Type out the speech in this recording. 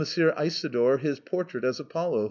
Isidore his portrait as Apollo.